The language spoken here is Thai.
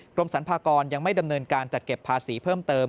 กรมสรรพากรยังไม่ดำเนินการจัดเก็บภาษีเพิ่มเติม